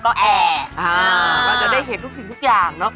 ว่าจะได้เห็นสิ่งทุกอย่างเนอะ